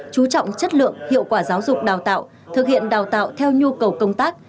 chú trọng chất lượng hiệu quả giáo dục đào tạo thực hiện đào tạo theo nhu cầu công tác